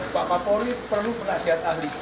pak kapolri perlu penasihat ahli